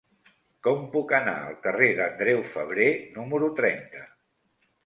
Com puc anar al carrer d'Andreu Febrer número trenta?